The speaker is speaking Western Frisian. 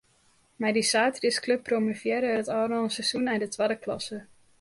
Mei dy saterdeisklup promovearre er it ôfrûne seizoen nei de twadde klasse.